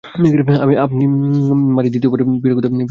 আপনি মারি দ্বিতীয় বার বিয়ের কথা কোন জিজ্ঞেস করলেন?